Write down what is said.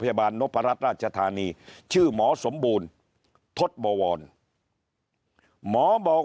พยาบาลนพรัชราชธานีชื่อหมอสมบูรณ์ทศบวรหมอบอก